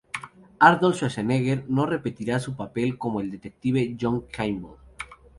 Arnold Schwarzenegger no repetirá su papel como el detective John Kimble.